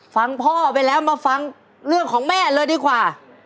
ฟังพ่อไปแล้วมาฟังเรื่องของแม่เลยดีกว่า